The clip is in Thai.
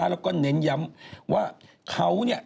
แล้วก็เน้นย้ำว่าเขาเนี่ย